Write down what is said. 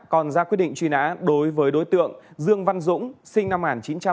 còn ra quyết định truy nã đối với đối tượng dương văn dũng sinh năm một nghìn chín trăm tám mươi